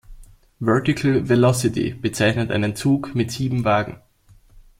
Vertical Velocity besitzt einen Zug mit sieben Wagen.